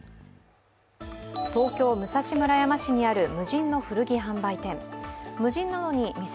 東京・武蔵村山市にある無人の古着販売店。